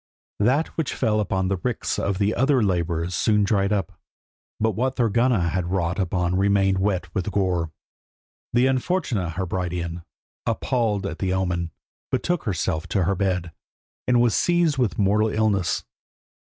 That which fell upon the ricks of the other labourers soon dried up, but what Thorgunna had wrought upon remained wet with gore. The unfortunate Hebridean, appalled at the omen, betook herself to her bed, and was seized with a mortal illness.